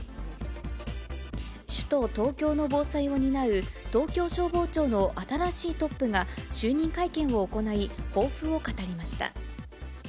首都東京の防災を担う東京消防庁の新しいトップが就任会見を行い、抱負を語りました。